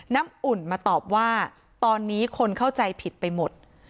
น้ำอุ่นมาตอบว่าตอนนี้คนเข้าใจผิดไปหมด